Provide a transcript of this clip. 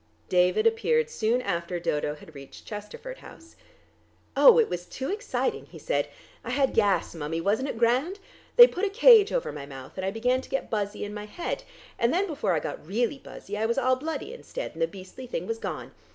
David appeared soon after Dodo had reached Chesterford House. "Oh, it was too exciting," he said. "I had gas, mummie, wasn't it grand! They put a cage over my mouth, and I began to get buzzy in my head, and then before I got really buzzy I was all bloody instead and the beastly thing was gone.